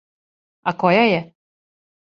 А која је?